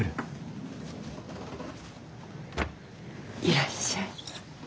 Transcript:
いらっしゃい。